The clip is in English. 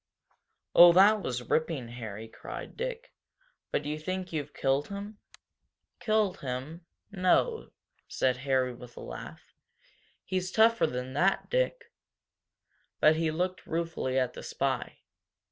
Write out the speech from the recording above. "Oh, that was ripping, Harry!" cried Dick. "But do you think you've killed him?" "Killed him? No!" said Harry, with a laugh. "He's tougher than that, Dick!" But he looked ruefully at the spy.